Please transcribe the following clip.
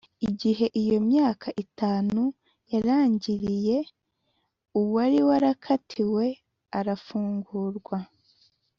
igihe iyo myaka itanu yarangiriye uwari warayikatiwe arafungurwa